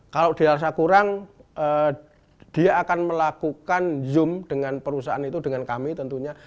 kalau dia rasa kurang dia akan melakukan zoom dengan perusahaan itu dengan kami tentunya